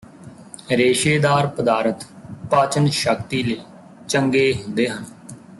ਰੇਸ਼ੇਦਾਰ ਪਦਾਰਥ ਪਾਚਨ ਸ਼ਕਤੀ ਲਈ ਚੰਗੇ ਹੁੰਦੇ ਹਨ